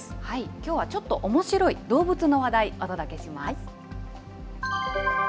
きょうはちょっとおもしろい動物の話題、お届けします。